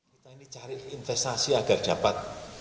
kita ini cari investasi agar dapat